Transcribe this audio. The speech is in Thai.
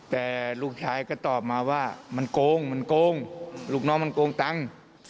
แต่ลูกชายก็ตอบมาว่ามันโกงมันโกงลูกน้องมันโกงตังค์